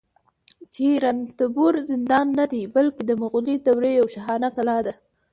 چې رنتنبور زندان نه دی، بلکې د مغولي دورې یوه شاهانه کلا ده